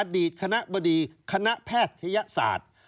อดีตคณะบดีคณะแพทยศาสตร์